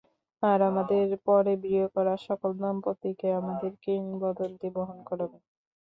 আর আমাদের পরে বিয়ে করা সকল দম্পতিকে আমাদের কিংবদন্তি বহন করাবে।